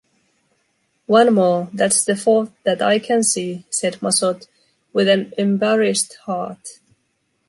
One more, that’s the fourth that I see, said Massot, with an embarrassed heart.